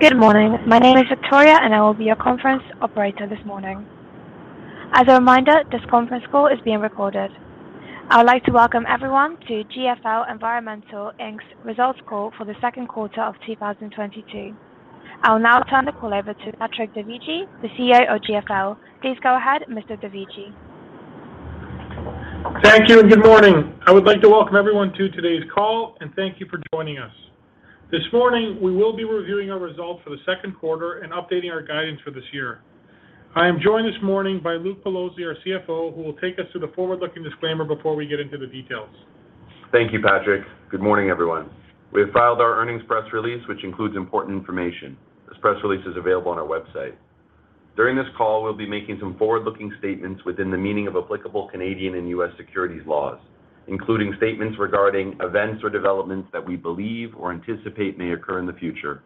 Good morning. My name is Victoria, and I will be your conference operator this morning. As a reminder, this conference call is being recorded. I would like to welcome everyone to GFL Environmental Inc.'s results call for the second quarter of 2022. I'll now turn the call over to Patrick Dovigi, the CEO of GFL. Please go ahead, Mr. Dovigi. Thank you, and good morning. I would like to welcome everyone to today's call, and thank you for joining us. This morning, we will be reviewing our results for the second quarter and updating our guidance for this year. I am joined this morning by Luke Pelosi, our CFO, who will take us through the forward-looking disclaimer before we get into the details. Thank you, Patrick. Good morning, everyone. We have filed our earnings press release, which includes important information. This press release is available on our website. During this call, we'll be making some forward-looking statements within the meaning of applicable Canadian and U.S. securities laws, including statements regarding events or developments that we believe or anticipate may occur in the future.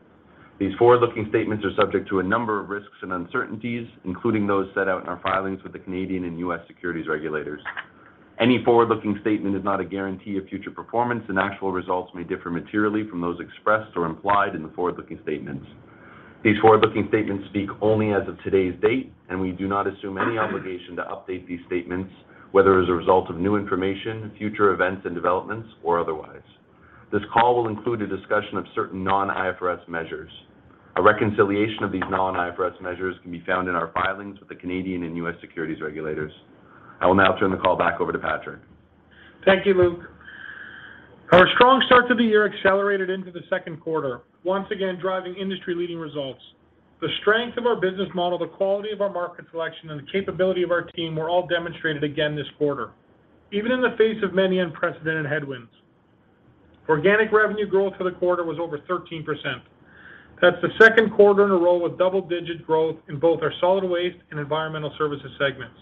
These forward-looking statements are subject to a number of risks and uncertainties, including those set out in our filings with the Canadian and U.S. securities regulators. Any forward-looking statement is not a guarantee of future performance, and actual results may differ materially from those expressed or implied in the forward-looking statements. These forward-looking statements speak only as of today's date, and we do not assume any obligation to update these statements, whether as a result of new information, future events and developments, or otherwise. This call will include a discussion of certain non-IFRS measures. A reconciliation of these non-IFRS measures can be found in our filings with the Canadian and U.S. securities regulators. I will now turn the call back over to Patrick. Thank you, Luke. Our strong start to the year accelerated into the second quarter, once again driving industry-leading results. The strength of our business model, the quality of our market selection, and the capability of our team were all demonstrated again this quarter, even in the face of many unprecedented headwinds. Organic revenue growth for the quarter was over 13%. That's the second quarter in a row with double-digit growth in both our solid waste and environmental services segments.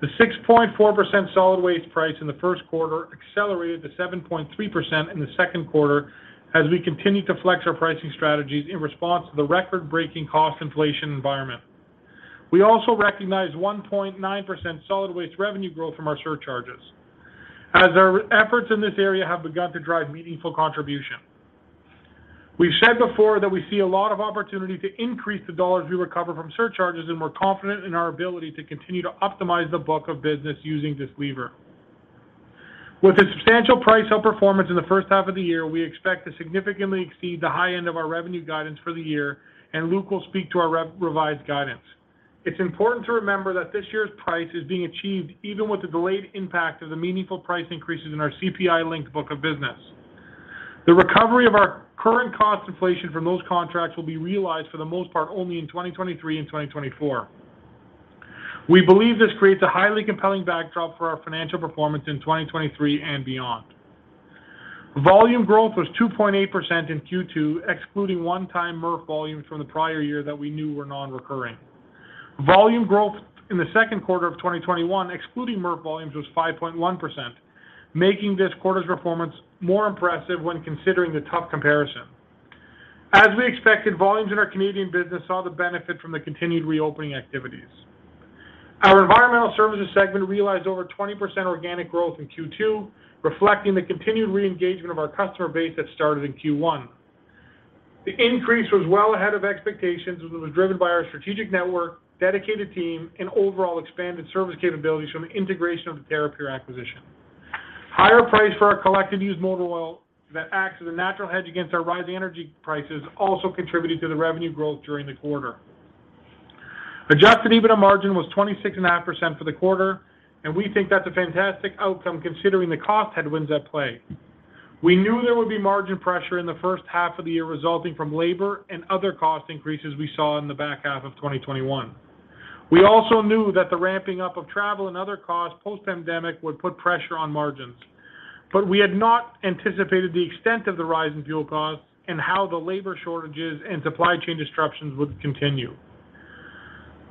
The 6.4% solid waste price in the first quarter accelerated to 7.3% in the second quarter as we continued to flex our pricing strategies in response to the record-breaking cost inflation environment. We also recognized 1.9% solid waste revenue growth from our surcharges as our efforts in this area have begun to drive meaningful contribution. We've said before that we see a lot of opportunity to increase the dollars we recover from surcharges, and we're confident in our ability to continue to optimize the book of business using this lever. With a substantial price outperformance in the first half of the year, we expect to significantly exceed the high end of our revenue guidance for the year, and Luke will speak to our revised guidance. It's important to remember that this year's price is being achieved even with the delayed impact of the meaningful price increases in our CPI-linked book of business. The recovery of our current cost inflation from those contracts will be realized for the most part only in 2023 and 2024. We believe this creates a highly compelling backdrop for our financial performance in 2023 and beyond. Volume growth was 2.8% in Q2, excluding one-time MRF volumes from the prior year that we knew were non-recurring. Volume growth in the second quarter of 2021, excluding MRF volumes, was 5.1%, making this quarter's performance more impressive when considering the tough comparison. As we expected, volumes in our Canadian business saw the benefit from the continued reopening activities. Our environmental services segment realized over 20% organic growth in Q2, reflecting the continued re-engagement of our customer base that started in Q1. The increase was well ahead of expectations as it was driven by our strategic network, dedicated team, and overall expanded service capabilities from the integration of the Terrapure acquisition. Higher price for our collected used motor oil that acts as a natural hedge against our rising energy prices also contributed to the revenue growth during the quarter. Adjusted EBITDA margin was 26.5% for the quarter, and we think that's a fantastic outcome considering the cost headwinds at play. We knew there would be margin pressure in the first half of the year resulting from labor and other cost increases we saw in the back half of 2021. We also knew that the ramping up of travel and other costs post-pandemic would put pressure on margins. We had not anticipated the extent of the rise in fuel costs and how the labor shortages and supply chain disruptions would continue.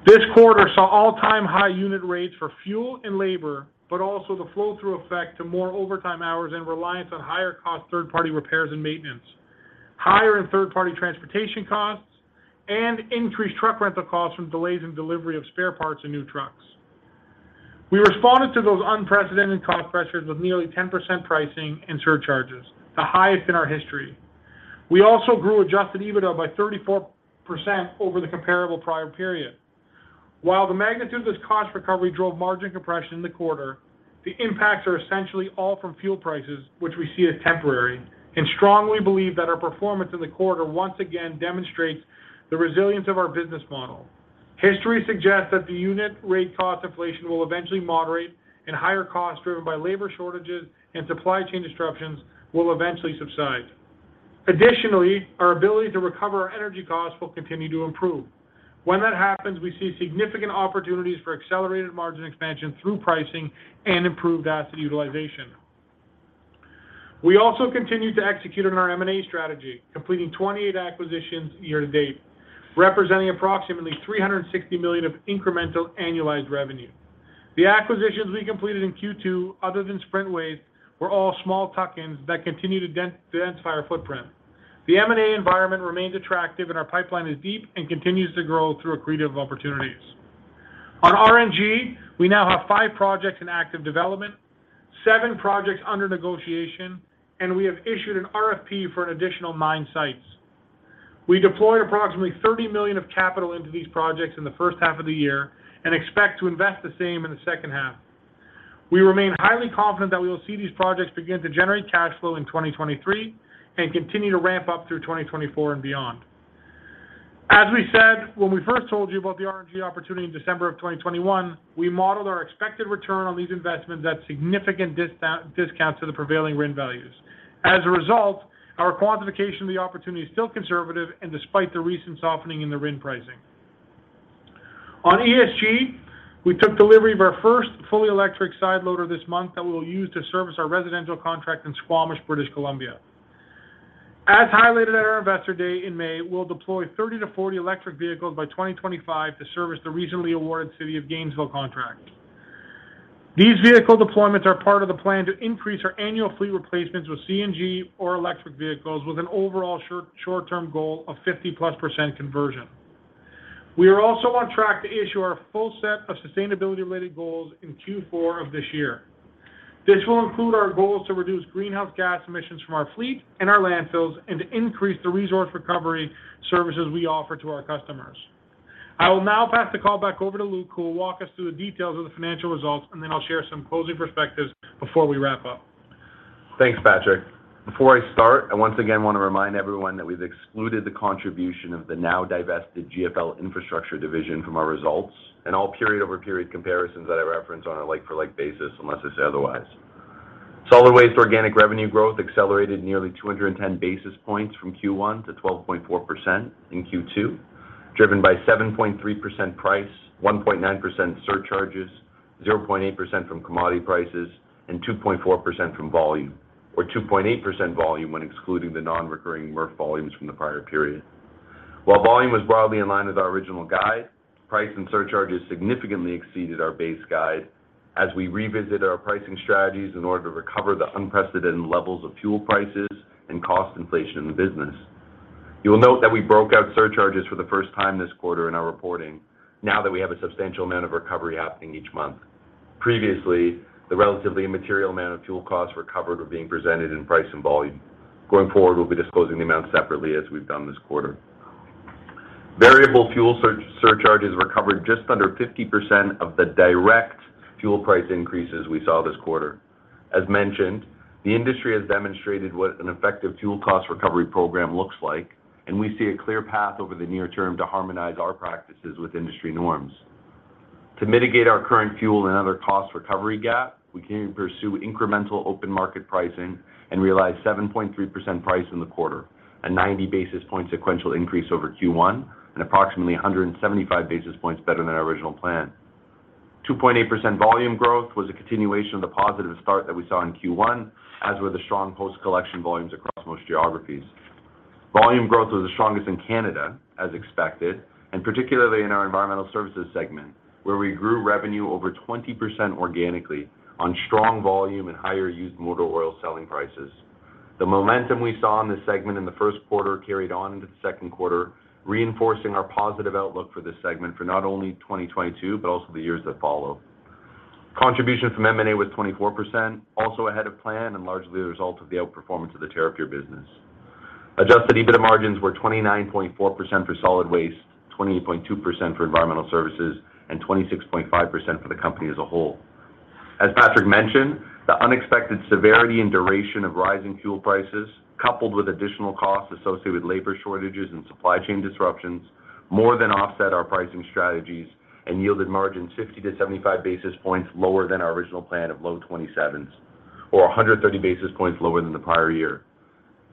This quarter saw all-time high unit rates for fuel and labor, but also the flow-through effect to more overtime hours and reliance on higher-cost third-party repairs and maintenance, higher third-party transportation costs, and increased truck rental costs from delays in delivery of spare parts and new trucks. We responded to those unprecedented cost pressures with nearly 10% pricing and surcharges, the highest in our history. We also grew adjusted EBITDA by 34% over the comparable prior period. While the magnitude of this cost recovery drove margin compression in the quarter, the impacts are essentially all from fuel prices, which we see as temporary, and strongly believe that our performance in the quarter once again demonstrates the resilience of our business model. History suggests that the unit rate cost inflation will eventually moderate and higher costs driven by labor shortages and supply chain disruptions will eventually subside. Additionally, our ability to recover our energy costs will continue to improve. When that happens, we see significant opportunities for accelerated margin expansion through pricing and improved asset utilization. We also continued to execute on our M&A strategy, completing 28 acquisitions year to date, representing approximately 360 million of incremental annualized revenue. The acquisitions we completed in Q2, other than Sprint Waste, were all small tuck-ins that continue to densify our footprint. The M&A environment remains attractive, and our pipeline is deep and continues to grow through accretive opportunities. On RNG, we now have 5 projects in active development, 7 projects under negotiation, and we have issued an RFP for an additional 9 sites. We deployed approximately 30 million of capital into these projects in the first half of the year and expect to invest the same in the second half. We remain highly confident that we will see these projects begin to generate cash flow in 2023 and continue to ramp up through 2024 and beyond. As we said, when we first told you about the RNG opportunity in December of 2021, we modeled our expected return on these investments at significant discounts to the prevailing RIN values. As a result, our quantification of the opportunity is still conservative, despite the recent softening in the RIN pricing. On ESG, we took delivery of our first fully electric side loader this month that we will use to service our residential contract in Squamish, British Columbia. As highlighted at our investor day in May, we'll deploy 30-40 electric vehicles by 2025 to service the recently awarded City of Gainesville contract. These vehicle deployments are part of the plan to increase our annual fleet replacements with CNG or electric vehicles with an overall short-term goal of 50%+ conversion. We are also on track to issue our full set of sustainability-related goals in Q4 of this year. This will include our goals to reduce greenhouse gas emissions from our fleet and our landfills and to increase the resource recovery services we offer to our customers. I will now pass the call back over to Luke, who will walk us through the details of the financial results, and then I'll share some closing perspectives before we wrap up. Thanks, Patrick. Before I start, I once again want to remind everyone that we've excluded the contribution of the now-divested GFL Infrastructure division from our results and all period-over-period comparisons that I reference on a like-for-like basis, unless I say otherwise. Solid waste organic revenue growth accelerated nearly 210 basis points from Q1 to 12.4% in Q2, driven by 7.3% price, 1.9% surcharges, 0.8% from commodity prices, and 2.4% from volume, or 2.8% volume when excluding the nonrecurring MRF volumes from the prior period. While volume was broadly in line with our original guide, price and surcharges significantly exceeded our base guide as we revisited our pricing strategies in order to recover the unprecedented levels of fuel prices and cost inflation in the business. You will note that we broke out surcharges for the first time this quarter in our reporting now that we have a substantial amount of recovery happening each month. Previously, the relatively immaterial amount of fuel costs recovered were being presented in price and volume. Going forward, we'll be disclosing the amount separately as we've done this quarter. Variable fuel surcharges recovered just under 50% of the direct fuel price increases we saw this quarter. As mentioned, the industry has demonstrated what an effective fuel cost recovery program looks like, and we see a clear path over the near term to harmonize our practices with industry norms. To mitigate our current fuel and other cost recovery gap, we can pursue incremental open market pricing and realize 7.3% price in the quarter, a 90 basis points sequential increase over Q1 and approximately 175 basis points better than our original plan. 2.8% volume growth was a continuation of the positive start that we saw in Q1, as were the strong post-collection volumes across most geographies. Volume growth was the strongest in Canada, as expected, and particularly in our environmental services segment, where we grew revenue over 20% organically on strong volume and higher used motor oil selling prices. The momentum we saw in this segment in the first quarter carried on into the second quarter, reinforcing our positive outlook for this segment for not only 2022, but also the years that follow. Contribution from M&A was 24%, also ahead of plan and largely the result of the outperformance of the Terrapure business. Adjusted EBITDA margins were 29.4% for solid waste, 28.2% for environmental services, and 26.5% for the company as a whole. As Patrick mentioned, the unexpected severity and duration of rising fuel prices, coupled with additional costs associated with labor shortages and supply chain disruptions, more than offset our pricing strategies and yielded margins 50-75 basis points lower than our original plan of low 27s, or 130 basis points lower than the prior year.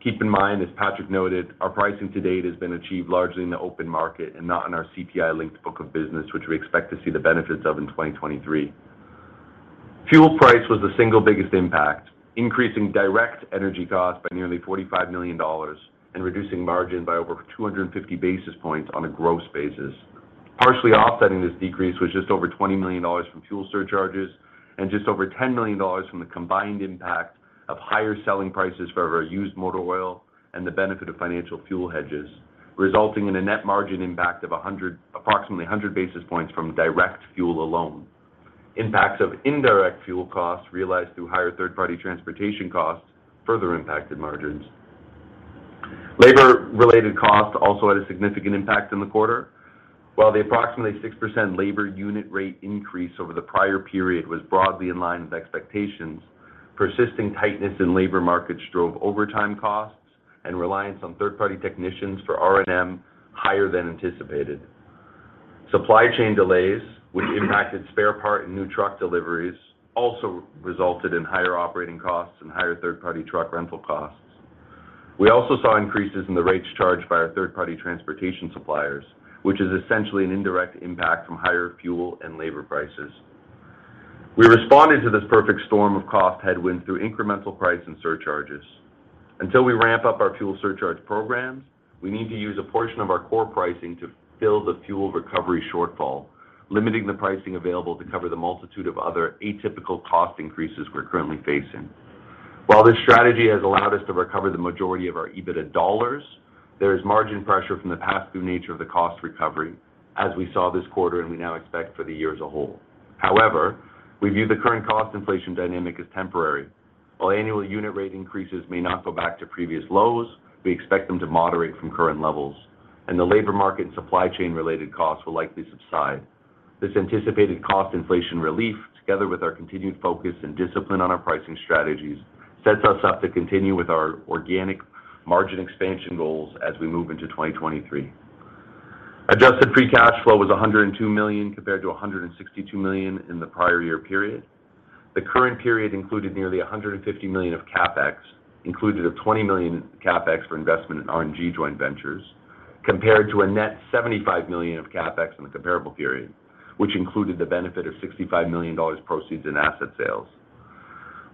Keep in mind, as Patrick noted, our pricing to date has been achieved largely in the open market and not in our CPI-linked book of business, which we expect to see the benefits of in 2023. Fuel price was the single biggest impact, increasing direct energy costs by nearly 45 million dollars and reducing margin by over 250 basis points on a gross basis. Partially offsetting this decrease was just over 20 million dollars from fuel surcharges and just over 10 million dollars from the combined impact of higher selling prices for our used motor oil and the benefit of financial fuel hedges, resulting in a net margin impact of approximately 100 basis points from direct fuel alone. Impacts of indirect fuel costs realized through higher third-party transportation costs further impacted margins. Labor-related costs also had a significant impact in the quarter. While the approximately 6% labor unit rate increase over the prior period was broadly in line with expectations, persisting tightness in labor markets drove overtime costs and reliance on third-party technicians for R&M higher than anticipated. Supply chain delays, which impacted spare part and new truck deliveries, also resulted in higher operating costs and higher third-party truck rental costs. We also saw increases in the rates charged by our third-party transportation suppliers, which is essentially an indirect impact from higher fuel and labor prices. We responded to this perfect storm of cost headwinds through incremental prices and surcharges. Until we ramp up our fuel surcharge programs, we need to use a portion of our core pricing to fill the fuel recovery shortfall, limiting the pricing available to cover the multitude of other atypical cost increases we're currently facing. While this strategy has allowed us to recover the majority of our EBIT dollars, there is margin pressure from the pass-through nature of the cost recovery, as we saw this quarter and we now expect for the year as a whole. However, we view the current cost inflation dynamic as temporary. While annual unit rate increases may not go back to previous lows, we expect them to moderate from current levels, and the labor market and supply chain related costs will likely subside. This anticipated cost inflation relief, together with our continued focus and discipline on our pricing strategies, sets us up to continue with our organic margin expansion goals as we move into 2023. Adjusted free cash flow was 102 million compared to 162 million in the prior year period. The current period included nearly 150 million of CapEx, included a 20 million CapEx for investment in RNG joint ventures, compared to a net 75 million of CapEx in the comparable period, which included the benefit of $65 million dollars proceeds in asset sales.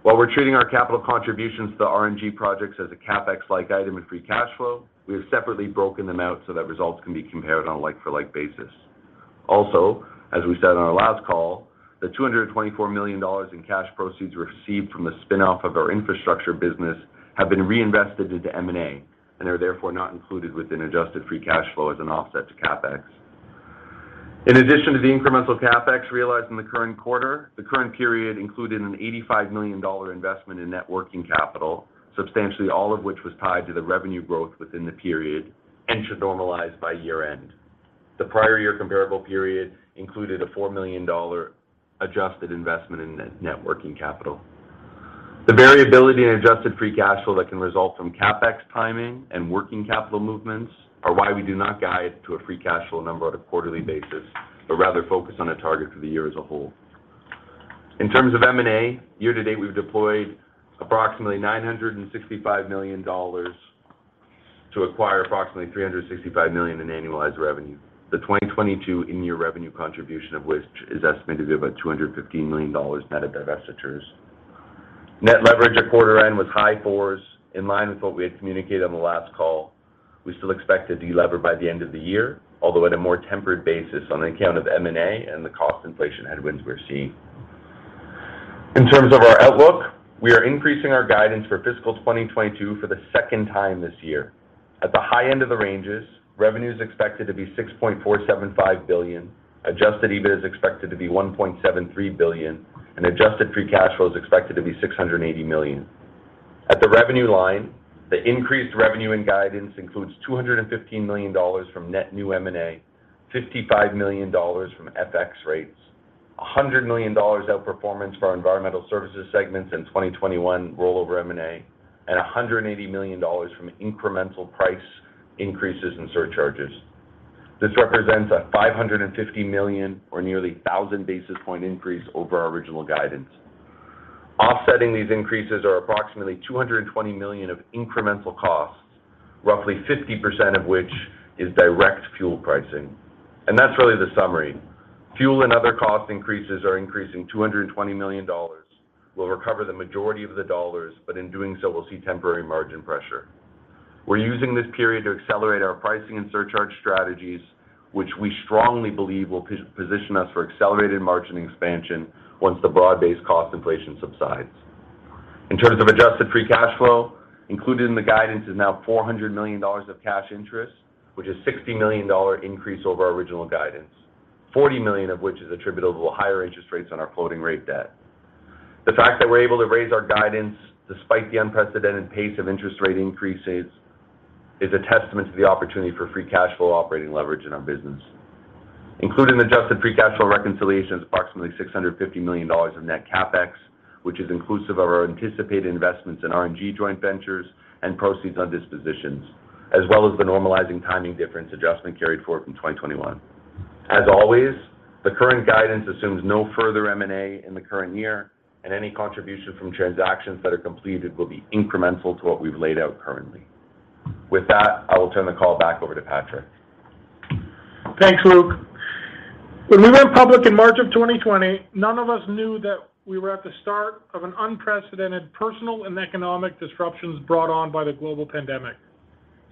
While we're treating our capital contributions to RNG projects as a CapEx-like item and free cash flow, we have separately broken them out so that results can be compared on a like-for-like basis. Also, as we said on our last call, the 224 million dollars in cash proceeds received from the spin-off of our infrastructure business have been reinvested into M&A and are therefore not included within adjusted free cash flow as an offset to CapEx. In addition to the incremental CapEx realized in the current quarter, the current period included a 85 million dollar investment in net working capital, substantially all of which was tied to the revenue growth within the period and should normalize by year-end. The prior year comparable period included a 4 million dollar adjusted investment in net working capital. The variability in adjusted free cash flow that can result from CapEx timing and working capital movements are why we do not guide to a free cash flow number on a quarterly basis, but rather focus on a target for the year as a whole. In terms of M&A, year-to-date we've deployed approximately $965 million to acquire approximately $365 million in annualized revenue. The 2022 in-year revenue contribution of which is estimated to be about $215 million net of divestitures. Net leverage at quarter end was high fours, in line with what we had communicated on the last call. We still expect to delever by the end of the year, although at a more tempered basis on account of M&A and the cost inflation headwinds we're seeing. In terms of our outlook, we are increasing our guidance for fiscal 2022 for the second time this year. At the high end of the ranges, revenue is expected to be 6.475 billion, adjusted EBIT is expected to be 1.73 billion, and adjusted free cash flow is expected to be 680 million. At the revenue line, the increased revenue in guidance includes 215 million dollars from net new M&A, 55 million dollars from FX rates, 100 million dollars outperformance for our environmental services segments in 2021 rollover M&A, and 180 million dollars from incremental price increases and surcharges. This represents a 550 million or nearly 1,000 basis point increase over our original guidance. Offsetting these increases are approximately $220 million of incremental costs, roughly 50% of which is direct fuel pricing. That's really the summary. Fuel and other cost increases are increasing $220 million. We'll recover the majority of the dollars, but in doing so, we'll see temporary margin pressure. We're using this period to accelerate our pricing and surcharge strategies, which we strongly believe will position us for accelerated margin expansion once the broad-based cost inflation subsides. In terms of adjusted free cash flow, included in the guidance is now $400 million of cash interest, which is $60 million dollar increase over our original guidance, $40 million of which is attributable to higher interest rates on our floating rate debt. The fact that we're able to raise our guidance despite the unprecedented pace of interest rate increases is a testament to the opportunity for free cash flow operating leverage in our business. Included in the adjusted free cash flow reconciliation is approximately 650 million dollars of net CapEx, which is inclusive of our anticipated investments in RNG joint ventures and proceeds on dispositions, as well as the normalizing timing difference adjustment carried forward from 2021. As always, the current guidance assumes no further M&A in the current year, and any contributions from transactions that are completed will be incremental to what we've laid out currently. With that, I will turn the call back over to Patrick. Thanks, Luke. When we went public in March of 2020, none of us knew that we were at the start of an unprecedented personal and economic disruptions brought on by the global pandemic.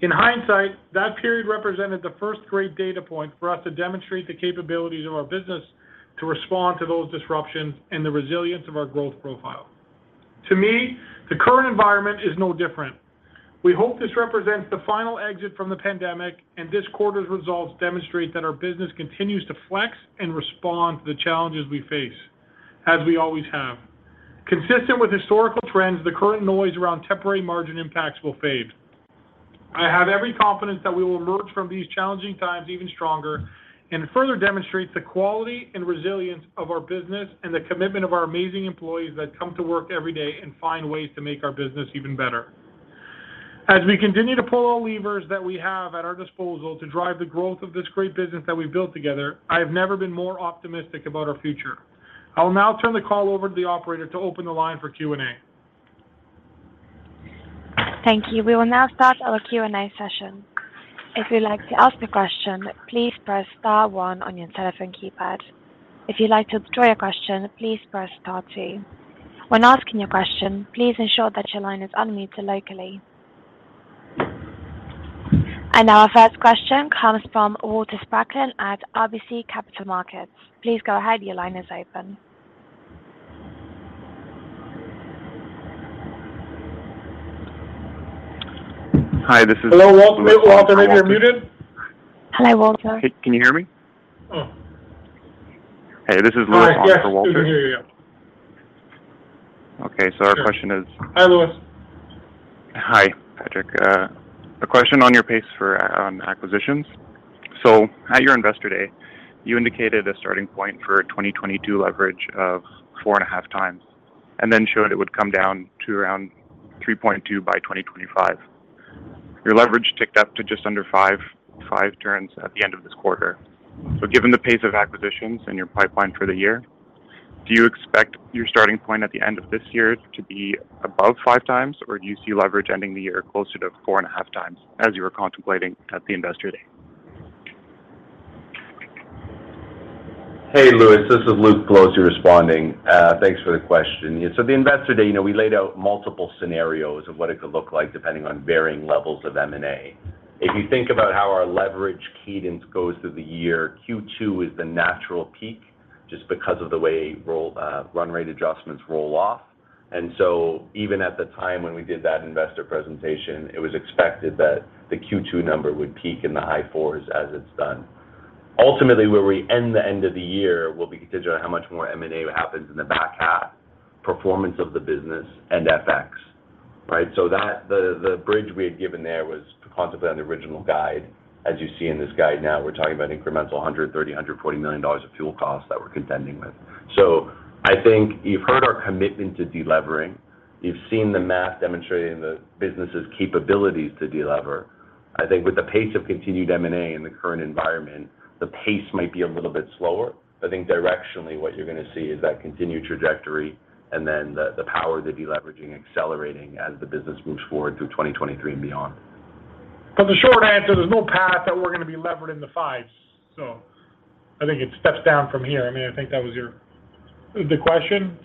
In hindsight, that period represented the first great data point for us to demonstrate the capabilities of our business to respond to those disruptions and the resilience of our growth profile. To me, the current environment is no different. We hope this represents the final exit from the pandemic, and this quarter's results demonstrate that our business continues to flex and respond to the challenges we face, as we always have. Consistent with historical trends, the current noise around temporary margin impacts will fade. I have every confidence that we will emerge from these challenging times even stronger and further demonstrate the quality and resilience of our business and the commitment of our amazing employees that come to work every day and find ways to make our business even better. As we continue to pull all levers that we have at our disposal to drive the growth of this great business that we built together, I have never been more optimistic about our future. I will now turn the call over to the operator to open the line for Q&A. Thank you. We will now start our Q&A session. If you'd like to ask a question, please press star one on your telephone keypad. If you'd like to withdraw your question, please press star two. When asking your question, please ensure that your line is unmuted locally. Our first question comes from Walter Spracklin at RBC Capital Markets. Please go ahead. Your line is open. Hi, this is. Hello, Walter. Walter, I think you're muted. Hello, Walter. Can you hear me? Oh. Hey, this is Louis Wong for Walter. All right. Yes, we can hear you. Yeah. Okay. Our question is- Hi, Louis. Hi, Patrick. A question on your pace for acquisitions. At your Investor Day, you indicated a starting point for 2022 leverage of 4.5x, and then showed it would come down to around 3.2 by 2025. Your leverage ticked up to just under 5.5 turns at the end of this quarter. Given the pace of acquisitions in your pipeline for the year, do you expect your starting point at the end of this year to be above 5x, or do you see leverage ending the year closer to 4.5x as you were contemplating at the Investor Day? Hey, Louis Wong, this is Luke Pelosi responding. Thanks for the question. Yeah, the Investor Day, you know, we laid out multiple scenarios of what it could look like depending on varying levels of M&A. If you think about how our leverage cadence goes through the year, Q2 is the natural peak just because of the way run rate adjustments roll off. Even at the time when we did that investor presentation, it was expected that the Q2 number would peak in the high fours as it's done. Ultimately, where we end of the year will be contingent on how much more M&A happens in the back half, performance of the business and FX. Right. The bridge we had given there was to contemplate on the original guide. As you see in this slide now, we're talking about incremental 130 million-140 million dollars of fuel costs that we're contending with. I think you've heard our commitment to delevering. You've seen the math demonstrating the business's capabilities to delever. I think with the pace of continued M&A in the current environment, the pace might be a little bit slower. I think directionally, what you're gonna see is that continued trajectory and then the power to deleveraging accelerating as the business moves forward through 2023 and beyond. The short answer, there's no path that we're gonna be levered in the fives. I think it steps down from here. I mean, I think that was the question.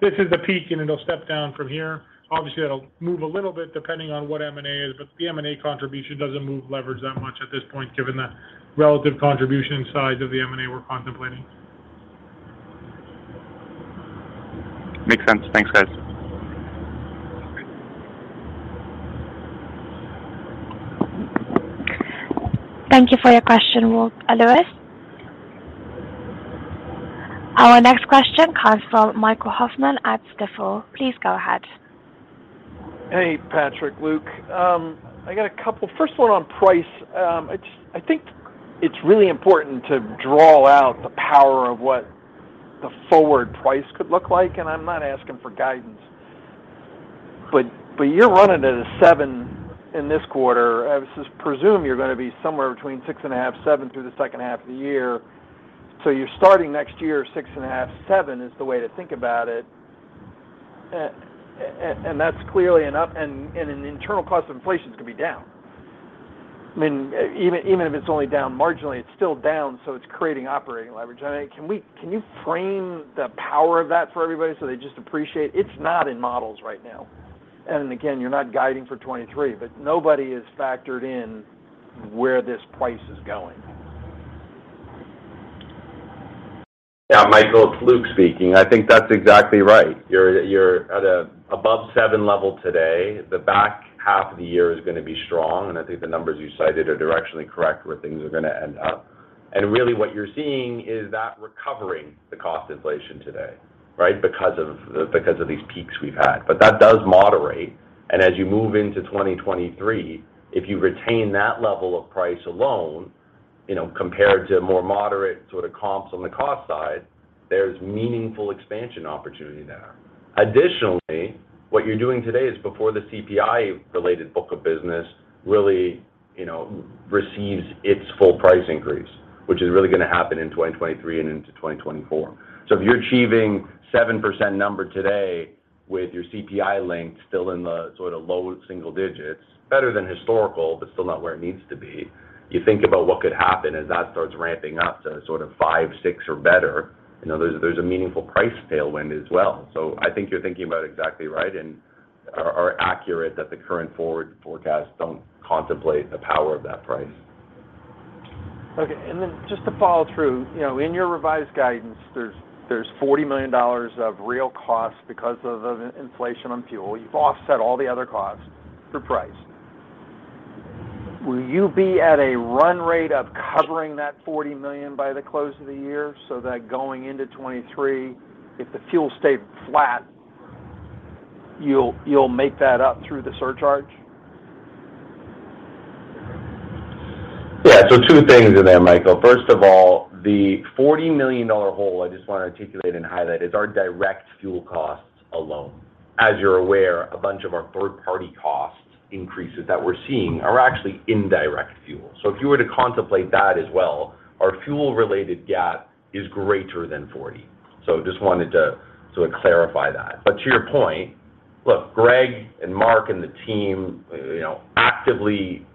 This is a peak, and it'll step down from here. Obviously, it'll move a little bit depending on what M&A is, but the M&A contribution doesn't move leverage that much at this point, given the relative contribution size of the M&A we're contemplating. Makes sense. Thanks, guys. Thank you for your question, Louis. Our next question comes from Michael Hoffman at Stifel. Please go ahead. Hey, Patrick, Luke. I got a couple. First one on price. I think it's really important to draw out the power of what the forward price could look like, and I'm not asking for guidance. You're running at 7% in this quarter. Presume you're gonna be somewhere between 6.5%-7% through the second half of the year. You're starting next year 6.5%-7%, is the way to think about it. That's clearly an up and an internal cost of inflation is gonna be down. I mean, even if it's only down marginally, it's still down, so it's creating operating leverage. I mean, can you frame the power of that for everybody so they just appreciate? It's not in models right now. Again, you're not guiding for 2023, but nobody has factored in where this price is going. Yeah, Michael, it's Luke speaking. I think that's exactly right. You're at above seven level today. The back half of the year is gonna be strong, and I think the numbers you cited are directionally correct where things are gonna end up. Really what you're seeing is that recovering the cost inflation today, right? Because of these peaks we've had. But that does moderate. As you move into 2023, if you retain that level of pricing alone, you know, compared to more moderate sort of comps on the cost side, there's meaningful expansion opportunity there. Additionally, what you're doing today is before the CPI-related book of business, really, you know, receives its full price increase, which is really gonna happen in 2023 and into 2024. If you're achieving 7% number today with your CPI link still in the sort of low single digits, better than historical, but still not where it needs to be, you think about what could happen as that starts ramping up to sort of 5, 6 or better. You know, there's a meaningful price tailwind as well. I think you're thinking about it exactly right and are accurate that the current forward forecasts don't contemplate the power of that price. Okay. Just to follow through. You know, in your revised guidance, there's 40 million dollars of real cost because of inflation on fuel. You've offset all the other costs through price. Will you be at a run rate of covering that 40 million by the close of the year so that going into 2023, if the fuel stayed flat, you'll make that up through the surcharge? Yeah. Two things in there, Michael. First of all, the 40 million dollar hole, I just wanna articulate and highlight, is our direct fuel costs alone. As you're aware, a bunch of our third-party cost increases that we're seeing are actually indirect fuel. If you were to contemplate that as well, our fuel-related gap is greater than 40 million. To your point, look, Greg and Mark and the team, you know, actively,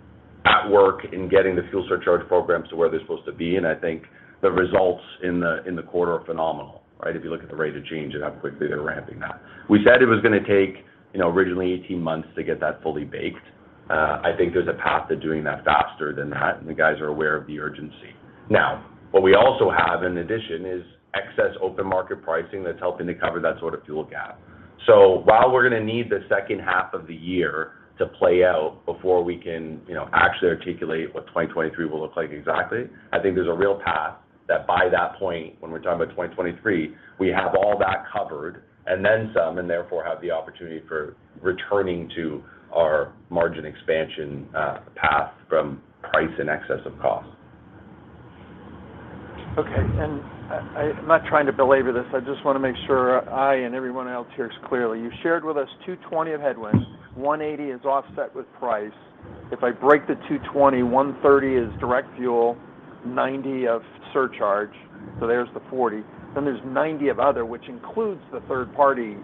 that work in getting the fuel surcharge programs to where they're supposed to be, and I think the results in the quarter are phenomenal, right? If you look at the rate of change and how quickly they're ramping that. We said it was gonna take, you know, originally 18 months to get that fully baked. I think there's a path to doing that faster than that, and the guys are aware of the urgency. Now, what we also have in addition is excess open market pricing that's helping to cover that sort of fuel gap. While we're gonna need the second half of the year to play out before we can, you know, actually articulate what 2023 will look like exactly, I think there's a real path that by that point, when we're talking about 2023, we have all that covered and then some, and therefore have the opportunity for returning to our margin expansion path from price in excess of cost. Okay. I'm not trying to belabor this. I just wanna make sure I and everyone else hears clearly. You shared with us 220 of headwinds. 180 is offset with price. If I break the 220, 130 is direct fuel, 90 of surcharge, so there's the 40. Then there's 90 of other, which includes the third party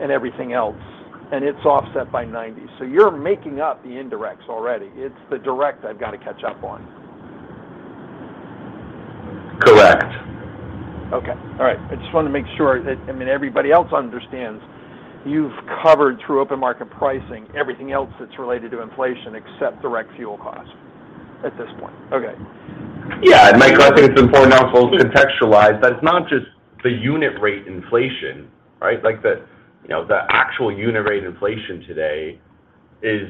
and everything else, and it's offset by 90. You're making up the indirects already. It's the direct I've got to catch up on. Correct. Okay. All right. I just wanted to make sure that, I mean, everybody else understands you've covered through open market pricing everything else that's related to inflation except direct fuel costs at this point. Okay. Yeah. Michael, I think it's important also to contextualize that it's not just the unit rate inflation, right? Like the, you know, the actual unit rate inflation today is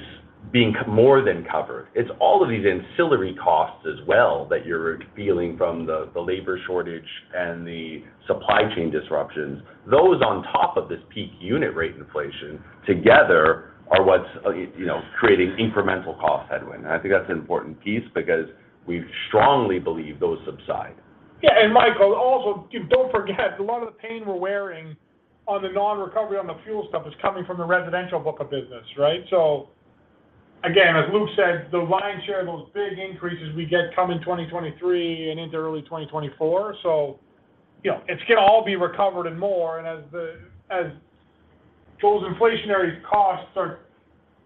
being more than covered. It's all of these ancillary costs as well that you're feeling from the labor shortage and the supply chain disruptions. Those on top of this peak unit rate inflation together are what's, you know, creating incremental cost headwind. I think that's an important piece because we strongly believe those subside. Yeah. Michael, also, don't forget, a lot of the pain we're wearing on the non-recovery on the fuel stuff is coming from the residential book of business, right? Again, as Luke said, the lion's share of those big increases we get come in 2023 and into early 2024. You know, it's gonna all be recovered and more. As those inflationary costs start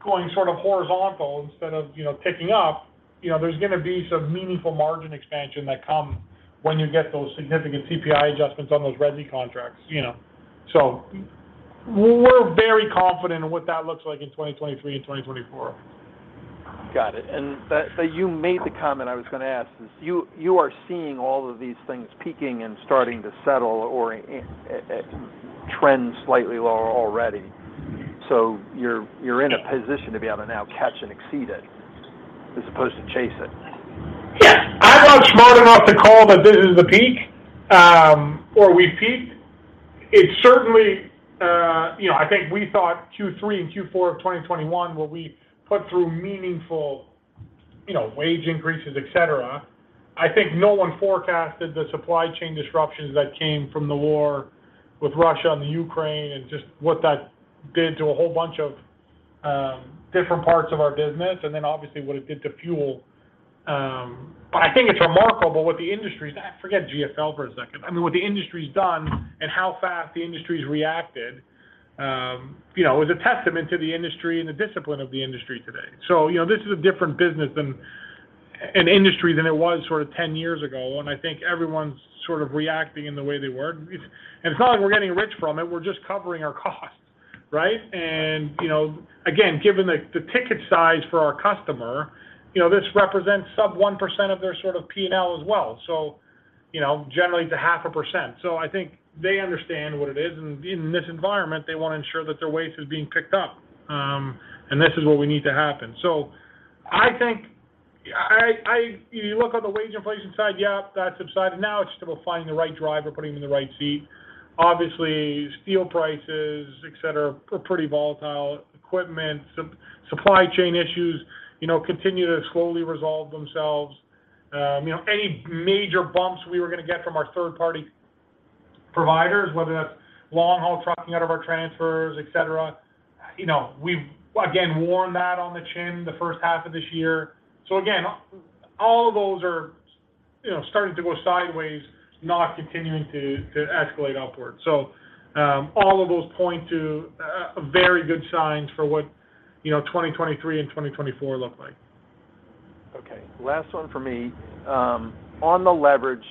going sort of horizontal instead of, you know, ticking up, you know, there's gonna be some meaningful margin expansion that come when you get those significant CPI adjustments on those resi contracts, you know. We're very confident in what that looks like in 2023 and 2024. Got it. You made the comment I was gonna ask is, you are seeing all of these things peaking and starting to settle or trend slightly lower already. You're in a position to be able to now catch and exceed it as opposed to chase it. Yes. I'm not smart enough to call that this is the peak, or we've peaked. It certainly, you know, I think we thought Q3 and Q4 of 2021 were we put through meaningful, you know, wage increases, et cetera. I think no one forecasted the supply chain disruptions that came from the war with Russia and the Ukraine and just what that did to a whole bunch of, different parts of our business and then obviously what it did to fuel. I think it's remarkable what the industry's done. Forget GFL for a second. I mean, what the industry's done and how fast the industry's reacted, you know, is a testament to the industry and the discipline of the industry today. you know, this is a different business than an industry than it was sort of 10 years ago, and I think everyone's sort of reacting in the way they were. It's not like we're getting rich from it, we're just covering our costs, right? You know, again, given the ticket size for our customer, you know, this represents sub 1% of their sort of P&L as well. You know, generally it's a half a percent. I think they understand what it is, and in this environment, they wanna ensure that their waste is being picked up, and this is what we need to happen. You look on the wage inflation side, yep, that subsided. Now it's just about finding the right driver, putting him in the right seat. Obviously, steel prices, et cetera, are pretty volatile. Equipment supply chain issues, you know, continue to slowly resolve themselves. You know, any major bumps we were gonna get from our third party providers, whether that's long haul trucking out of our transfers, et cetera, you know, we've again worn that on the chin the first half of this year. Again, all of those are, you know, starting to go sideways, not continuing to escalate upwards. All of those point to very good signs for what, you know, 2023 and 2024 look like. Okay. Last one for me. On the leverage,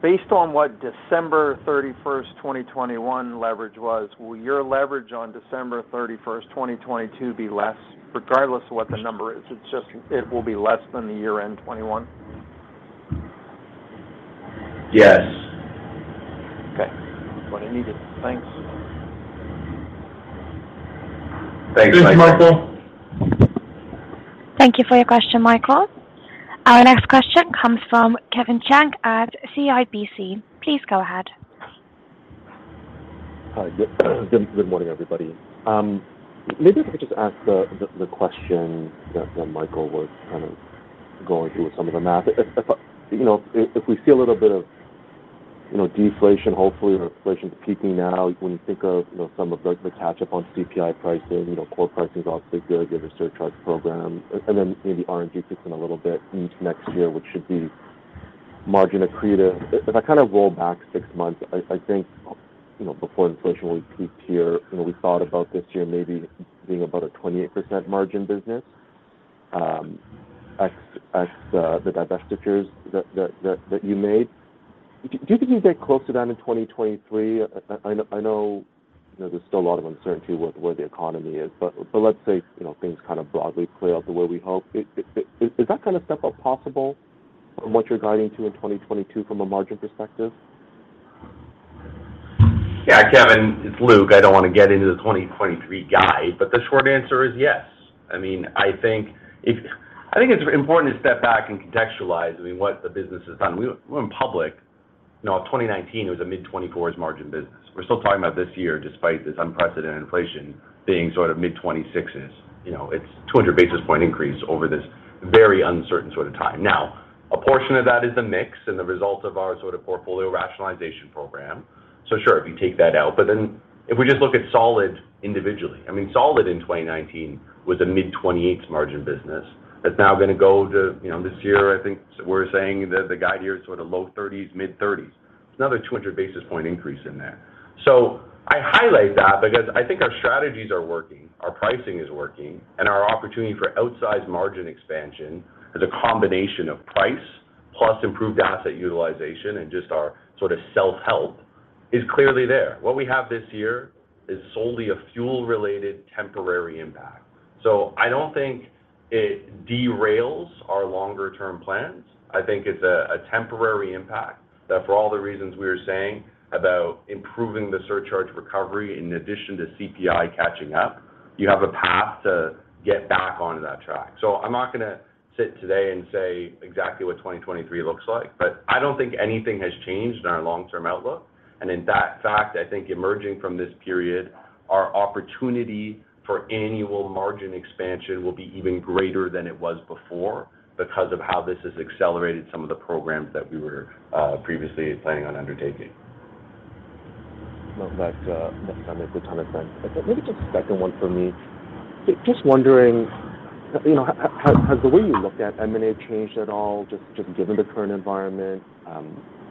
based on what December 31, 2021 leverage was, will your leverage on December 31, 2022 be less regardless of what the number is? It's just it will be less than the year-end 2021. Yes. Okay. That's what I needed. Thanks. Thanks, Michael. Thanks, Michael. Thank you for your question, Michael. Our next question comes from Kevin Chiang at CIBC. Please go ahead. Hi. Good morning, everybody. Maybe if I could just ask the question that Michael was kind of going through with some of the math. You know, if we see a little bit of, you know, deflation hopefully or inflation's peaking now, when you think of, you know, some of the catch up on CPI pricing, you know, core pricing is obviously good, you have your surcharge program and then maybe RNG kicks in a little bit into next year, which should be margin accretive. If I kind of roll back six months, I think, you know, before inflation really peaked here, you know, we thought about this year maybe being about a 28% margin business, ex the divestitures that you made. Do you think you get close to that in 2023? I know, you know, there's still a lot of uncertainty with where the economy is, but let's say, you know, things kind of broadly play out the way we hope. Is that kind of step-up possible from what you're guiding to in 2022 from a margin perspective? Yeah, Kevin, it's Luke. I don't wanna get into the 2023 guide, but the short answer is yes. I mean, I think it's important to step back and contextualize, I mean, what the business has done. We went public. You know, in 2019, it was a mid-20s% margin business. We're still talking about this year, despite this unprecedented inflation, being sort of mid-26s%. You know, it's 200 basis point increase over this very uncertain sort of time. Now, a portion of that is the mix and the result of our sort of portfolio rationalization program. So sure, if you take that out. But then if we just look at solid individually. I mean, solid in 2019 was a mid-28s margin business that's now gonna go to, you know, this year, I think we're saying that the guide here is sort of low 30s, mid-30s. It's another 200 basis points increase in there. I highlight that because I think our strategies are working, our pricing is working, and our opportunity for outsized margin expansion as a combination of price plus improved asset utilization and just our sort of self-help is clearly there. What we have this year is solely a fuel-related temporary impact. I don't think it derails our longer term plans. I think it's a temporary impact that for all the reasons we were saying about improving the surcharge recovery in addition to CPI catching up, you have a path to get back onto that track. I'm not gonna sit today and say exactly what 2023 looks like. I don't think anything has changed in our long-term outlook. In that fact, I think emerging from this period, our opportunity for annual margin expansion will be even greater than it was before because of how this has accelerated some of the programs that we were previously planning on undertaking. Well, that does make a ton of sense. Maybe just a second one for me. Just wondering, you know, has the way you looked at M&A changed at all, just given the current environment,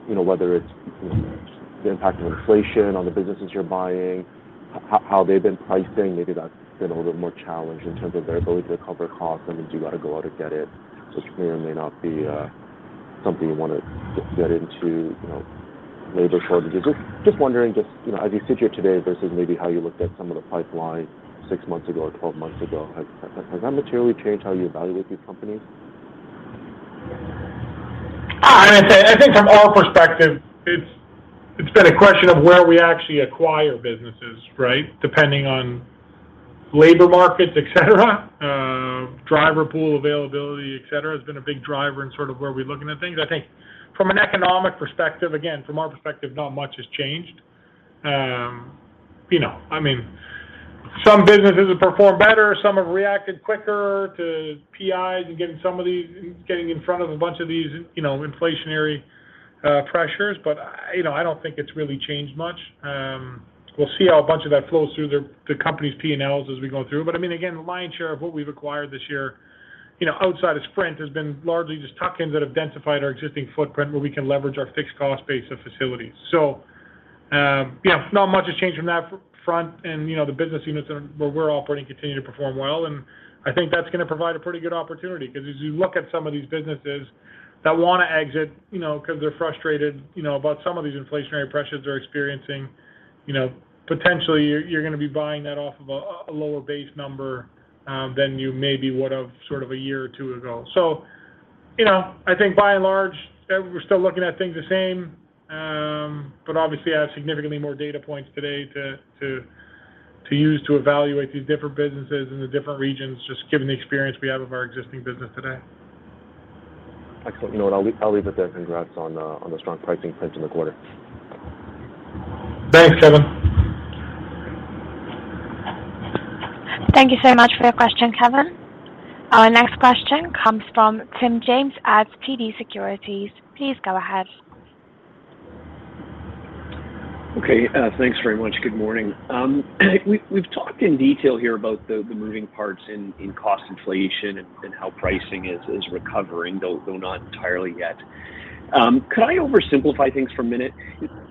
you know, whether it's, you know, the impact of inflation on the businesses you're buying, how they've been pricing, maybe that's been a little bit more challenged in terms of their ability to cover costs. I mean, do you gotta go out and get it, which may or may not be, something you wanna just get into, you know, labor shortages. Just wondering, just, you know, as you sit here today versus maybe how you looked at some of the pipeline six months ago or twelve months ago, has that materially changed how you evaluate these companies? I'd say, I think from our perspective, it's been a question of where we actually acquire businesses, right? Depending on labor markets, et cetera, driver pool availability, et cetera, has been a big driver in sort of where we're looking at things. I think from an economic perspective, again, from our perspective, not much has changed. You know, I mean, some businesses have performed better, some have reacted quicker to PIs and getting in front of a bunch of these, you know, inflationary pressures. You know, I don't think it's really changed much. We'll see how a bunch of that flows through the company's P&Ls as we go through. I mean, again, the lion's share of what we've acquired this year, you know, outside of Sprint has been largely just tuck-ins that have identified our existing footprint where we can leverage our fixed cost base of facilities. So, yeah, not much has changed on that front. You know, the business units where we're operating continue to perform well, and I think that's gonna provide a pretty good opportunity. 'Cause as you look at some of these businesses that wanna exit, you know, 'cause they're frustrated, you know, about some of these inflationary pressures they're experiencing, you know, potentially you're gonna be buying that off of a lower base number than you maybe would have sort of a year or two ago. So, you know, I think by and large, we're still looking at things the same. Obviously, I have significantly more data points today to use to evaluate these different businesses in the different regions, just given the experience we have of our existing business today. Excellent. You know what, I'll leave it there. Congrats on the strong pricing trends in the quarter. Thanks, Kevin. Thank you so much for your question, Kevin. Our next question comes from Tim James at TD Securities. Please go ahead. Okay. Thanks very much. Good morning. We've talked in detail here about the moving parts in cost inflation and how pricing is recovering, though not entirely yet. Could I oversimplify things for a minute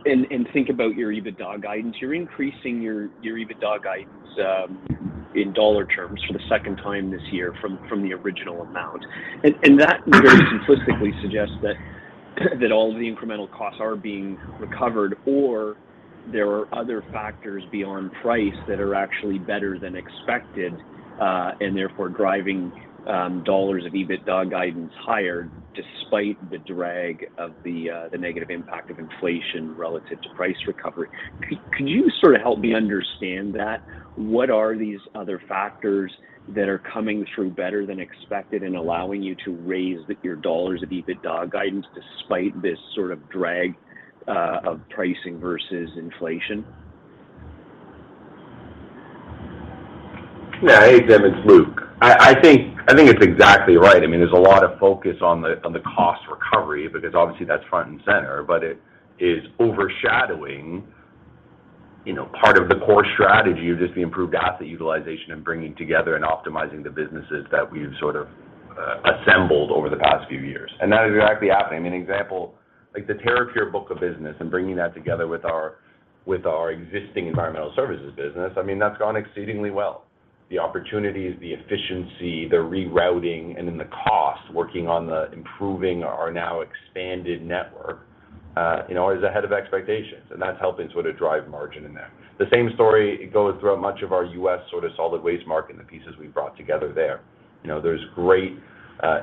and think about your EBITDA guidance? You're increasing your EBITDA guidance in dollar terms for the second time this year from the original amount. That very simplistically suggests that all the incremental costs are being recovered or there are other factors beyond price that are actually better than expected, and therefore driving dollars of EBITDA guidance higher despite the drag of the negative impact of inflation relative to price recovery. Could you sort of help me understand that? What are these other factors that are coming through better than expected and allowing you to raise your dollars of EBITDA guidance despite this sort of drag of pricing versus inflation? Yeah. Hey, Tim, it's Luke. I think it's exactly right. I mean, there's a lot of focus on the cost recovery because obviously that's front and center, but it is overshadowing. You know, part of the core strategy is just the improved asset utilization and bringing together and optimizing the businesses that we've sort of assembled over the past few years. That is exactly happening. I mean, example, like, the Terrapure book of business and bringing that together with our existing environmental services business, I mean, that's gone exceedingly well. The opportunities, the efficiency, the rerouting, and then the cost, working on improving our now expanded network, you know, is ahead of expectations, and that's helping sort of drive margin in there. The same story goes throughout much of our U.S. Sort of solid waste market and the pieces we brought together there. You know, there's great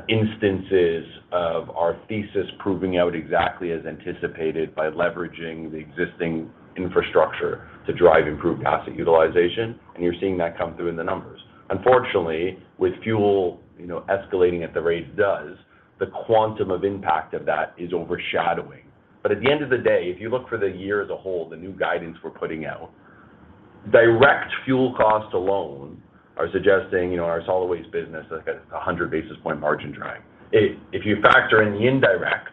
instances of our thesis proving out exactly as anticipated by leveraging the existing infrastructure to drive improved asset utilization, and you're seeing that come through in the numbers. Unfortunately, with fuel, you know, escalating at the rate it does, the quantum of impact of that is overshadowing. At the end of the day, if you look for the year as a whole, the new guidance we're putting out, direct fuel costs alone are suggesting, you know, our solid waste business has 100 basis point margin drive. If you factor in the indirect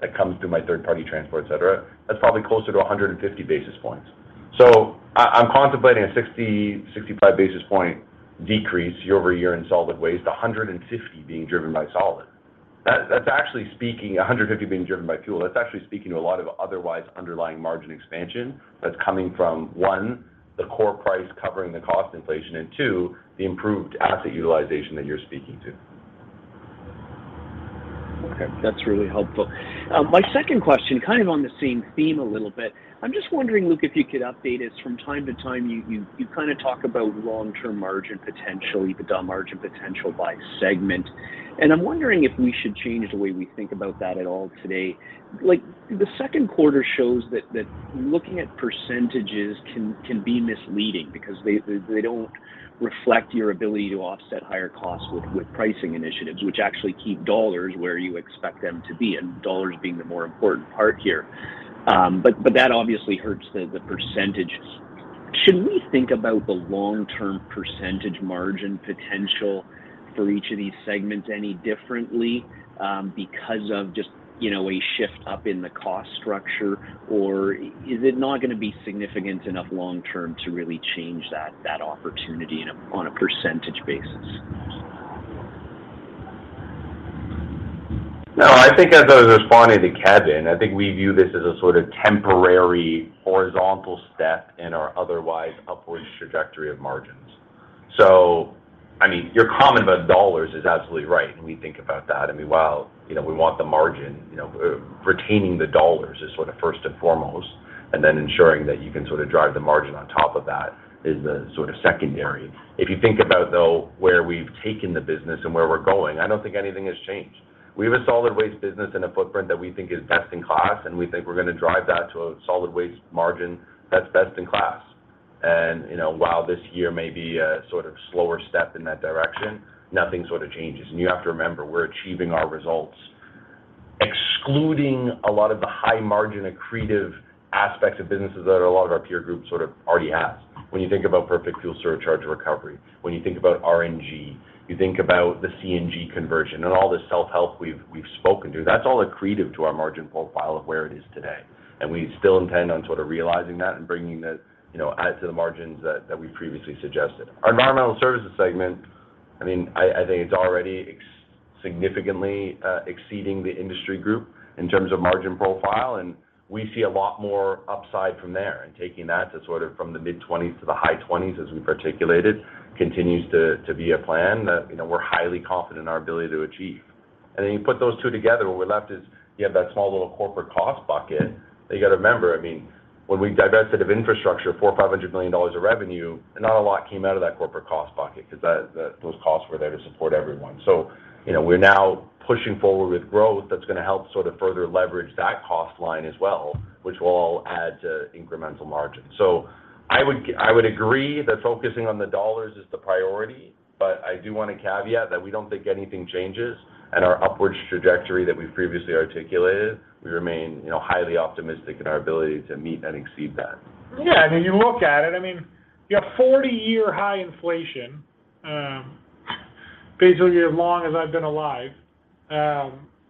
that comes through my third-party transport, et cetera, that's probably closer to 150 basis points. I'm contemplating a 60-65 basis point decrease year-over-year in solid waste, 150 being driven by fuel. That's actually speaking to a lot of otherwise underlying margin expansion that's coming from one, the core price covering the cost inflation, and two, the improved asset utilization that you're speaking to. Okay. That's really helpful. My second question, kind of on the same theme a little bit. I'm just wondering, Luke, if you could update us from time to time. You kind of talk about long-term margin potential, EBITDA margin potential by segment. I'm wondering if we should change the way we think about that at all today. Like, the second quarter shows that looking at percentages can be misleading because they don't reflect your ability to offset higher costs with pricing initiatives, which actually keep dollars where you expect them to be, and dollars being the more important part here. But that obviously hurts the percentages. Should we think about the long-term percentage margin potential for each of these segments any differently, because of just, you know, a shift up in the cost structure, or is it not gonna be significant enough long term to really change that opportunity on a percentage basis? No, I think as I was responding to Kevin, I think we view this as a sort of temporary horizontal step in our otherwise upwards trajectory of margins. I mean, your comment about dollars is absolutely right, and we think about that. I mean, while, you know, we want the margin, you know, retaining the dollars is sort of first and foremost, and then ensuring that you can sort of drive the margin on top of that is the sort of secondary. If you think about, though, where we've taken the business and where we're going, I don't think anything has changed. We have a solid waste business and a footprint that we think is best in class, and we think we're gonna drive that to a solid waste margin that's best in class. You know, while this year may be a sort of slower step in that direction, nothing sort of changes. You have to remember, we're achieving our results excluding a lot of the high margin accretive aspects of businesses that a lot of our peer group sort of already has. When you think about perfect fuel surcharge recovery, when you think about RNG, you think about the CNG conversion and all the self-help we've spoken to, that's all accretive to our margin profile of where it is today, and we still intend on sort of realizing that and bringing the, you know, add to the margins that we previously suggested. Our environmental services segment, I mean, I think it's already exceeding significantly the industry group in terms of margin profile, and we see a lot more upside from there. Taking that to sort of from the mid-20s% to the high 20s%, as we've articulated, continues to be a plan that, you know, we're highly confident in our ability to achieve. Then you put those two together, what we're left is you have that small little corporate cost bucket that you got to remember, I mean, when we divested of GFL Infrastructure, $400 million-$500 million of revenue, and not a lot came out of that corporate cost bucket because those costs were there to support everyone. You know, we're now pushing forward with growth that's gonna help sort of further leverage that cost line as well, which will all add to incremental margin. I would agree that focusing on the dollars is the priority, but I do want to caveat that we don't think anything changes. Our upward trajectory that we've previously articulated, we remain, you know, highly optimistic in our ability to meet and exceed that. Yeah. I mean, you look at it, I mean, you have 40-year high inflation, basically as long as I've been alive.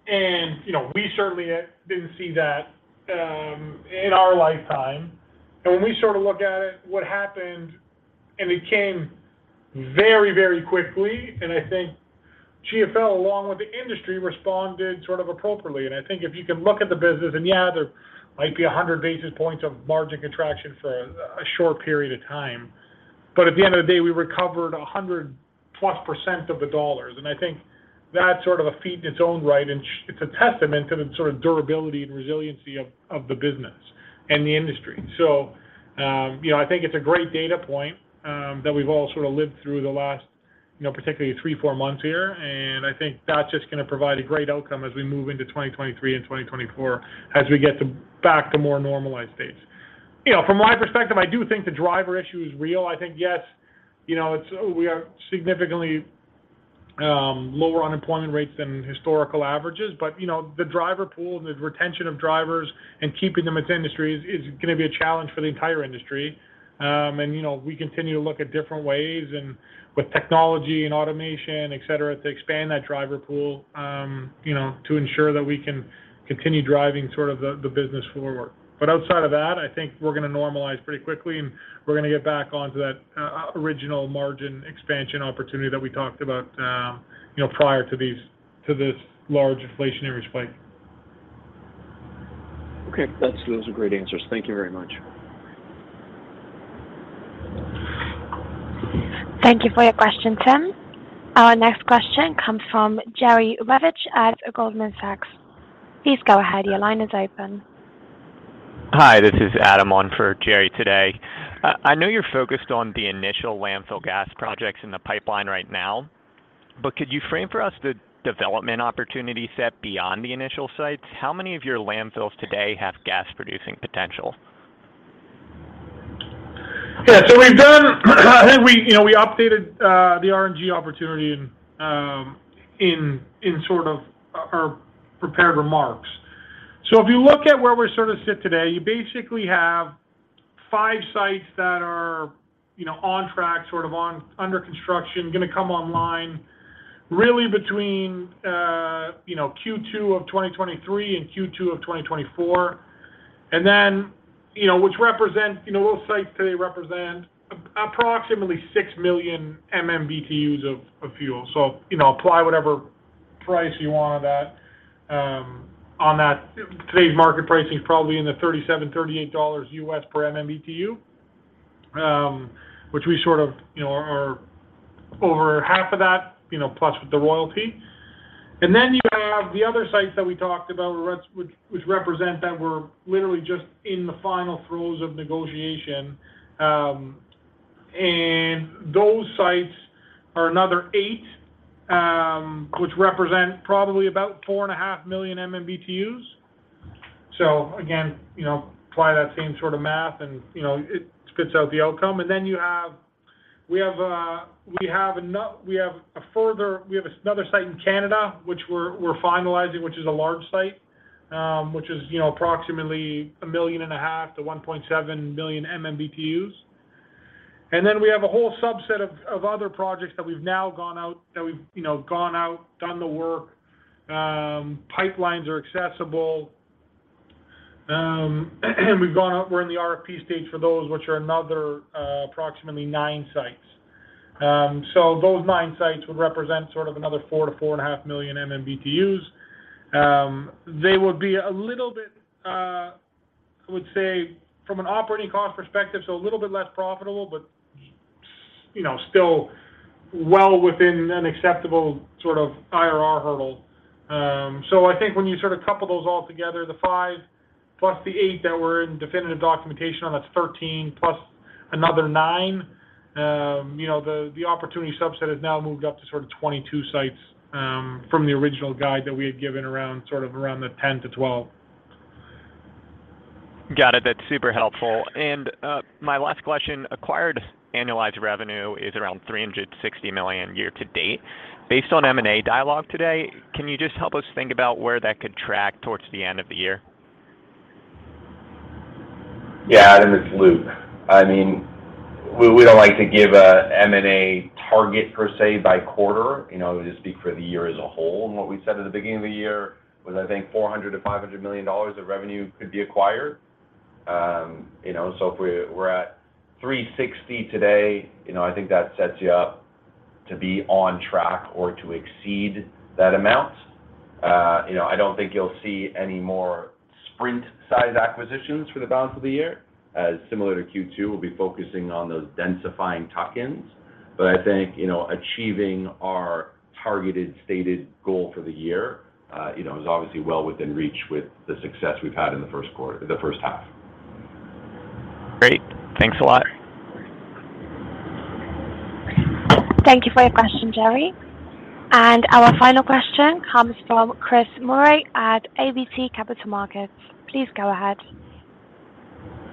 You know, we certainly didn't see that in our lifetime. When we sort of look at it, what happened, and it came very, very quickly, and I think GFL, along with the industry, responded sort of appropriately. I think if you can look at the business, and yeah, there might be 100 basis points of margin contraction for a short period of time. At the end of the day, we recovered 100+% of the dollars. I think that's sort of a feat in its own right, and it's a testament to the sort of durability and resiliency of the business and the industry. You know, I think it's a great data point that we've all sort of lived through the last, you know, particularly three, four months here, and I think that's just gonna provide a great outcome as we move into 2023 and 2024 as we get back to more normalized states. You know, from my perspective, I do think the driver issue is real. I think, yes, you know, it's we have significantly lower unemployment rates than historical averages, but, you know, the driver pool and the retention of drivers and keeping them with industry is gonna be a challenge for the entire industry. You know, we continue to look at different ways and with technology and automation, et cetera, to expand that driver pool, you know, to ensure that we can continue driving sort of the business forward. Outside of that, I think we're gonna normalize pretty quickly, and we're gonna get back onto that original margin expansion opportunity that we talked about, you know, prior to this large inflationary spike. Okay. Those are great answers. Thank you very much. Thank you for your question, Tim. Our next question comes from Jerry Revich at Goldman Sachs. Please go ahead. Your line is open. Hi, this is Adam on for Jerry today. I know you're focused on the initial landfill gas projects in the pipeline right now, but could you frame for us the development opportunity set beyond the initial sites? How many of your landfills today have gas producing potential? Yeah. We've updated the RNG opportunity in sort of our prepared remarks. If you look at where we sort of sit today, you basically have five sites that are on track, sort of under construction, gonna come online really between Q2 of 2023 and Q2 of 2024. Then, those sites today represent approximately 6 million MMBtu of fuel. Apply whatever price you want of that on that. Today's market pricing is probably in the $37-$38 US per MMBtu, which we sort of are over half of that plus with the royalty. You have the other sites that we talked about which represent that we're literally just in the final throes of negotiation. Those sites are another 8, which represent probably about 4.5 million MMBtu. Again, you know, apply that same sort of math and, you know, it spits out the outcome. We have another site in Canada, which we're finalizing, which is a large site, which is, you know, approximately 1.5 million-1.7 million MMBtu. We have a whole subset of other projects that we've now gone out, done the work. Pipelines are accessible. We've gone out. We're in the RFP stage for those, which are another approximately 9 sites. So those 9 sites would represent sort of another 4-4.5 million MMBtu. They would be a little bit, I would say from an operating cost perspective, so a little bit less profitable but, you know, still well within an acceptable sort of IRR hurdle. So I think when you sort of couple those all together, the 5 plus the 8 that we're in definitive documentation on, that's 13 plus another 9. You know, the opportunity subset has now moved up to sort of 22 sites, from the original guide that we had given around sort of around the 10-12. Got it. That's super helpful. My last question. Acquired annualized revenue is around 360 million year to date. Based on M&A dialogue today, can you just help us think about where that could track towards the end of the year? Yeah, Adam, it's Luke. I mean, we don't like to give a M&A target per se by quarter, you know, just speak for the year as a whole. What we said at the beginning of the year was, I think 400 million-500 million dollars of revenue could be acquired. You know, so if we're at 360 million today, you know, I think that sets you up to be on track or to exceed that amount. You know, I don't think you'll see any more Sprint-sized acquisitions for the balance of the year. As similar to Q2, we'll be focusing on those densifying tuck-ins. But I think, you know, achieving our targeted stated goal for the year, you know, is obviously well within reach with the success we've had in the first quarter—the first half. Great. Thanks a lot. Thank you for your question, Jerry. Our final question comes from Chris Murray at ATB Capital Markets. Please go ahead.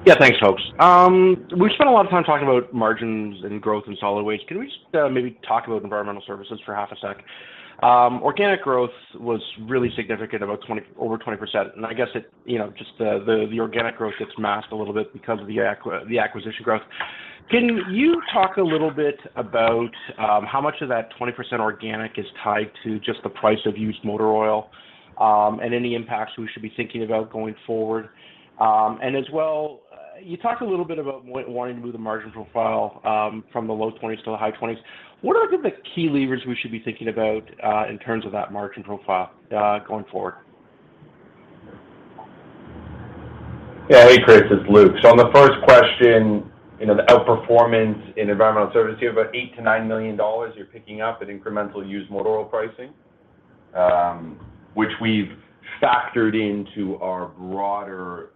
Yeah, thanks, folks. We spent a lot of time talking about margins and growth in solid waste. Can we just, maybe talk about environmental services for half a sec? Organic growth was really significant, over 20%. I guess it, you know, just the organic growth gets masked a little bit because of the acquisition growth. Can you talk a little bit about, how much of that 20% organic is tied to just the price of used motor oil, and any impacts we should be thinking about going forward? As well, you talked a little bit about wanting to move the margin profile, from the low 20s% to the high 20s%. What are the key levers we should be thinking about, in terms of that margin profile, going forward? Yeah. Hey, Chris, it's Luke. On the first question, you know, the outperformance in environmental services, you have about 8-9 million dollars you're picking up in incremental used motor oil pricing, which we've factored into our broader,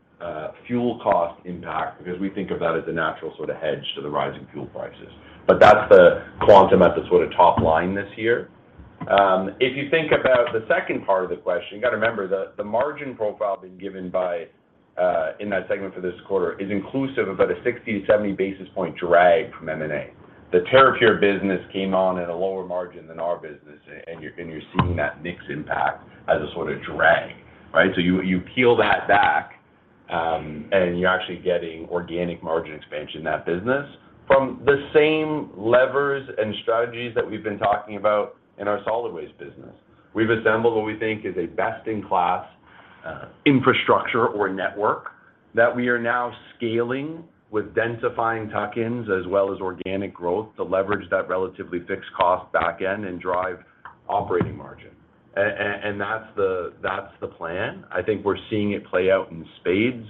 fuel cost impact because we think of that as a natural sort of hedge to the rising fuel prices. That's the quantum at the sort of top line this year. If you think about the second part of the question, you gotta remember the margin profile being given in that segment for this quarter is inclusive of about a 60-70 basis points drag from M&A. The Terrapure business came on at a lower margin than our business, and you're seeing that mix impact as a sort of drag, right? You peel that back, and you're actually getting organic margin expansion in that business from the same levers and strategies that we've been talking about in our Solid Waste business. We've assembled what we think is a best-in-class infrastructure or network that we are now scaling with densifying tuck-ins as well as organic growth to leverage that relatively fixed cost back in and drive operating margin. That's the plan. I think we're seeing it play out in spades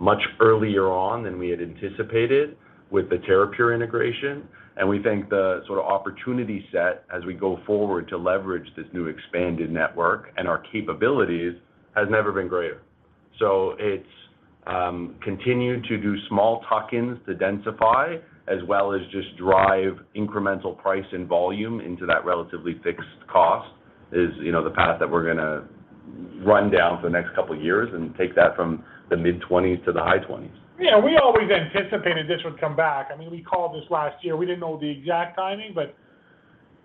much earlier on than we had anticipated with the Terrapure integration, and we think the sort of opportunity set as we go forward to leverage this new expanded network and our capabilities has never been greater. It's continued to do small tuck-ins to densify as well as just drive incremental price and volume into that relatively fixed cost base. You know, the path that we're gonna run down for the next couple years and take that from the mid-20s% to the high 20s%. Yeah, we always anticipated this would come back. I mean, we called this last year. We didn't know the exact timing, but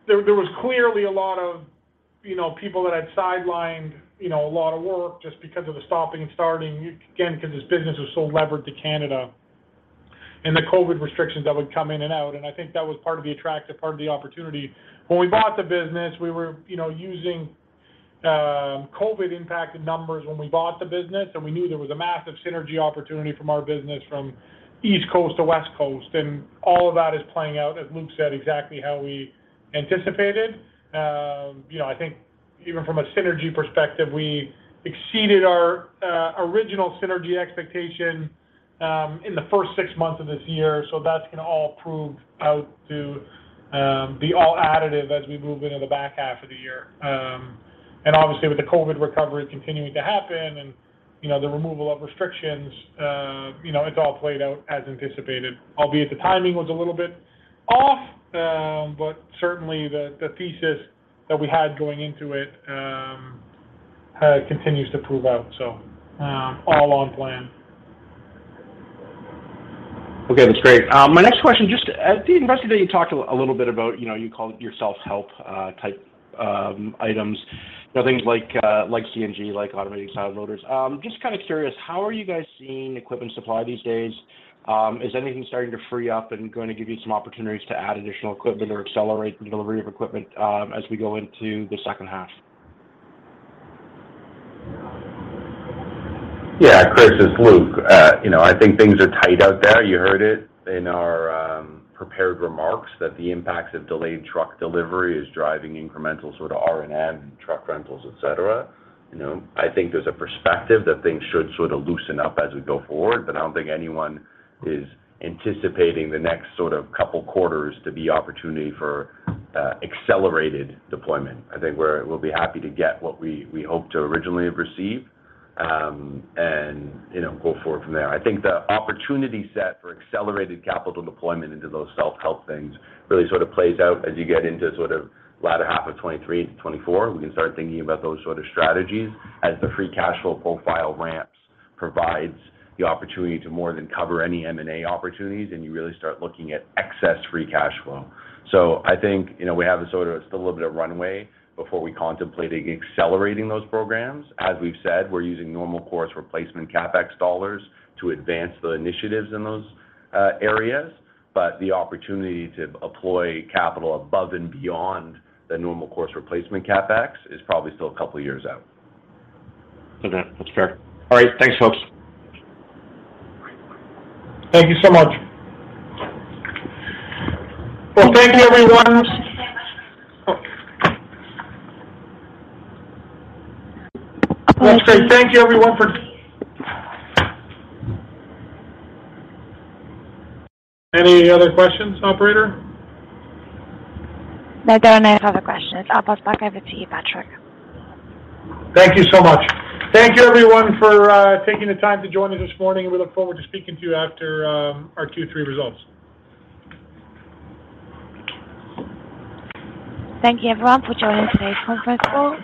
there was clearly a lot of, you know, people that had sidelined, you know, a lot of work just because of the stopping and starting, again, because this business was so levered to Canada and the COVID restrictions that would come in and out, and I think that was part of the attractive part of the opportunity. When we bought the business, we were, you know, using COVID impacted numbers when we bought the business, and we knew there was a massive synergy opportunity from our business from East Coast to West Coast, and all of that is playing out, as Luke said, exactly how we anticipated. You know, I think even from a synergy perspective, we exceeded our original synergy expectation in the first six months of this year, so that's gonna all prove out to be all additive as we move into the back half of the year. Obviously with the COVID recovery continuing to happen and, you know, the removal of restrictions, you know, it's all played out as anticipated. Albeit the timing was a little bit off, but certainly the thesis that we had going into it continues to prove out, so all on plan. Okay, that's great. My next question, just at the Investor Day, you talked a little bit about, you know, you called it your self-help type items. You know, things like CNG, like automated side loaders. Just kinda curious, how are you guys seeing equipment supply these days? Is anything starting to free up and gonna give you some opportunities to add additional equipment or accelerate the delivery of equipment, as we go into the second half? Yeah. Chris, it's Luke. You know, I think things are tight out there. You heard it in our prepared remarks that the impacts of delayed truck delivery is driving incremental sort of R&M and truck rentals, et cetera. You know, I think there's a perspective that things should sort of loosen up as we go forward, but I don't think anyone is anticipating the next sort of couple quarters to be opportunity for accelerated deployment. I think we'll be happy to get what we hoped to originally have received, and you know, go forward from there. I think the opportunity set for accelerated capital deployment into those self-help things really sort of plays out as you get into sort of latter half of 2023 into 2024. We can start thinking about those sort of strategies as the free cash flow profile ramps provides the opportunity to more than cover any M&A opportunities, and you really start looking at excess free cash flow. I think, you know, we have a sort of still a little bit of runway before we contemplate accelerating those programs. As we've said, we're using normal course replacement CapEx dollars to advance the initiatives in those areas, but the opportunity to employ capital above and beyond the normal course replacement CapEx is probably still a couple years out. Okay. That's fair. All right. Thanks, folks. Thank you so much. Well, thank you everyone. Thank you so much. Okay. I'll say thank you everyone. Any other questions, operator? No, there are no further questions. I'll pass back over to you, Patrick. Thank you so much. Thank you everyone for taking the time to join us this morning. We look forward to speaking to you after our Q3 results. Thank you everyone for joining today's conference call.